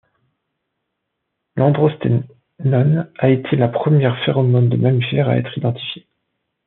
L'androsténone a été la première phéromone de mammifère à être identifiée.